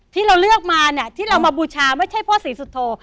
ที่เราเลือกมาเนี่ยที่เรามาบูชาไม่ใช่พ่อศรีสุโธ